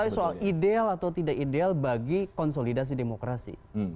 tapi soal ideal atau tidak ideal bagi konsolidasi demokrasi